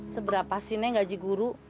seberapa sih nih gaji guru